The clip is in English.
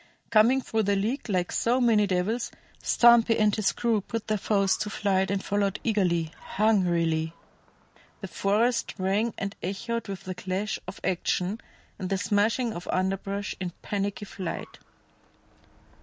Coming through the leek like so many devils, Stumpy and his crew put their foes to flight and followed eagerly, hungrily; the forest rang and echoed with the clash of action and the smashing of underbrush in panicky flight.